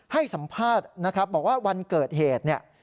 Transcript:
ให้สัมภาษณ์นะครับบอกว่าวันเกิดเหตุเนี่ย